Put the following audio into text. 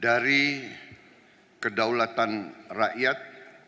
dari kedaulatan rakyat